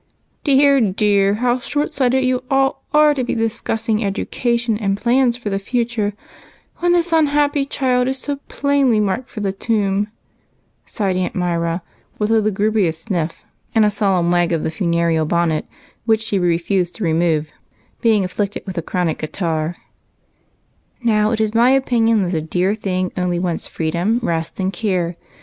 " Dear, dear ! how short sighted you all are to be discussing education and plans for the future, when this unhappy child is so plainly marked for the tomb," sighed Aunt Myra, with a lugubrious sniff and a sol 40 BIGHT COUSINS. emn wag of the funereal bonnet, which she refused to remove, being afflicted with a chronic catarrh. "Now, it is my opinion that the dear thing only wants freedom, rest, and care.